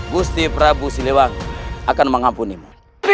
gusti prabu siliwang akan mengampunimu